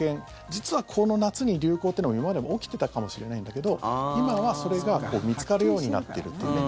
実は、この夏に流行というのも今までも起きてたかもしれないんだけど今はそれが見つかるようになっているというね。